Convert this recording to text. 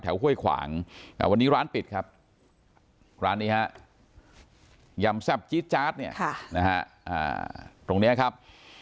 ห้วยขวางวันนี้ร้านปิดครับร้านนี้ฮะยำแซ่บจี๊ดจาร์ดเนี่ยนะฮะตรงนี้ครับ